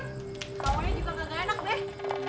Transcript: kamunya juga agak enak deh